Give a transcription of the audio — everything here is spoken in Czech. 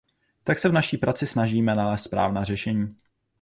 Tak se v naší práci snažíme nalézt správná řešení.